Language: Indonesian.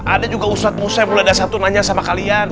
ada juga ustadz musa yang mulai dasar tuh nanya sama kalian